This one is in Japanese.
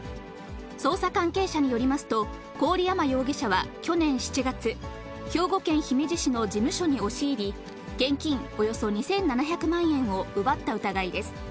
捜査関係者によりますと、郡山容疑者は去年７月、兵庫県姫路市の事務所に押し入り、現金およそ２７００万円を奪った疑いです。